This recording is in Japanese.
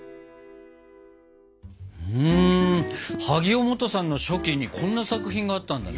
うん萩尾望都さんの初期にこんな作品があったんだね。